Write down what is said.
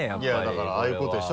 だからああいうことでしょ？